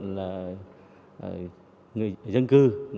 là người dân cư